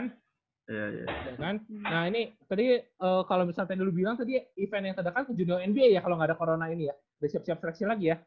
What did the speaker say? nah ini tadi kalo misalkan lu bilang tadi event yang sedangkan ke junior nba ya kalo gak ada corona ini ya udah siap siap seleksi lagi ya